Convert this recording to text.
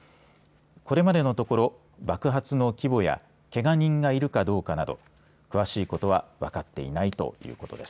これまでのところ爆発の規模やけが人がいるかどうかなど詳しいことは分かっていないということです。